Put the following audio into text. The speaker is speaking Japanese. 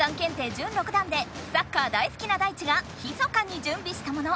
準六段でサッカー大すきなダイチがひそかにじゅんびしたもの。